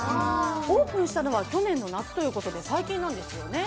オープンしたのは去年の夏ということで最近なんですよね。